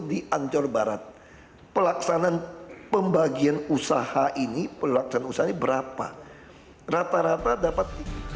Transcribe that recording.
di ancol barat pelaksanaan pembagian usaha ini pelaksanaan usahanya berapa rata rata dapat